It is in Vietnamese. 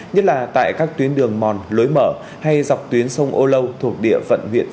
nhất là tại các tuyến đường mòn lối mở hay dọc tuyến sông âu lâu